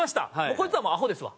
こいつはもうアホですわ。